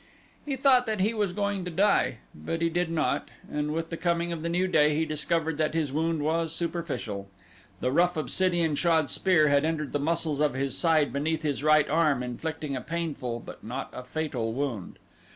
He thought that he was going to die, but he did not, and with the coming of the new day he discovered that his wound was superficial. The rough obsidian shod spear had entered the muscles of his side beneath his right arm inflicting a painful, but not a fatal wound.